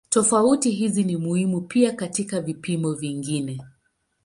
Tofauti hizi ni muhimu pia katika vipimo vingine.